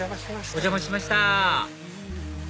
お邪魔しました